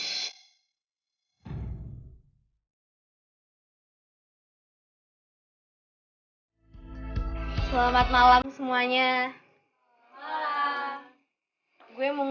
ketika kita baru sacred hubungan anderson dan klege